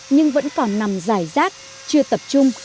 nhưng vẫn còn nằm dài rác chưa tập trung